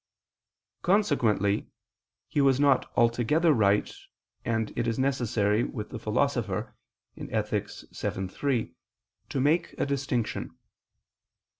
Consequently he was not altogether right, and it is necessary, with the Philosopher (Ethic. vii, 3) to make a distinction.